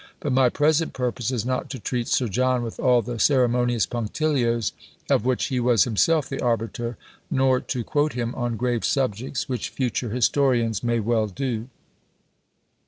But my present purpose is not to treat Sir John with all the ceremonious punctilios, of which he was himself the arbiter; nor to quote him on grave subjects, which future historians may well do.